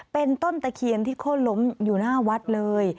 เป็นต้นตะเคียนที่โค้นล้มอยู่หน้าวัดเลย